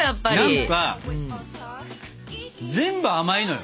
何か全部甘いのよ。